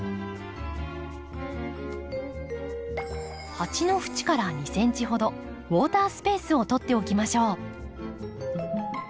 鉢の縁から２ｃｍほどウォータースペースをとっておきましょう。